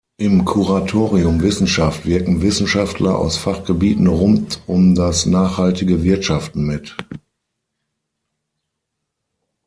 Im Kuratorium Wissenschaft wirken Wissenschaftler aus Fachgebieten rund um das nachhaltige Wirtschaften mit.